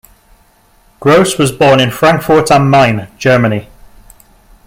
Gross was born in Frankfurt am Main, Germany.